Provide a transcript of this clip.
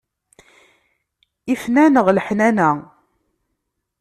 Ifen-aneɣ leḥnana.